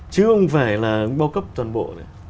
chứ không phải là bao cấp toàn bộ